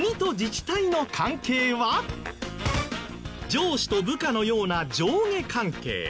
上司と部下のような上下関係。